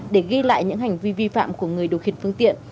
để ghi lại những hành vi vi phạm của người điều khiển phương tiện